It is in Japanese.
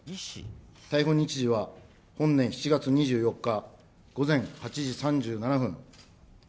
逮捕日時は、本年７月２４日午前８時３７分。